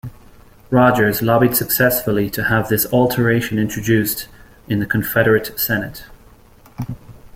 Rogers lobbied successfully to have this alteration introduced in the Confederate Senate.